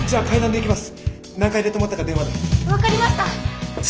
分かりました！